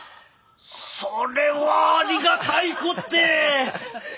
それはありがたいこって！